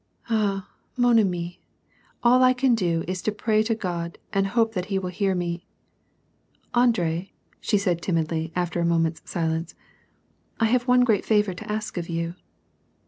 "Ah! man ami! All I can do is to pray to God and hope that he will hear me. Andrd," said she timidly, after a mo ment's silence, " I have one great favor to ask of you."